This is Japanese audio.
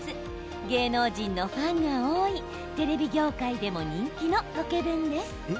芸能人のファンが多いテレビ業界でも人気のロケ弁です。